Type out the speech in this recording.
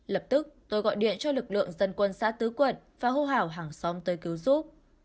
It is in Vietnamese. lập tức tôi gọi điện cho lực lượng dân quân xã tứ quận và hô hào hàng xóm tới cứu giúp